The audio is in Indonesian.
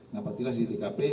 napak tilas di tkp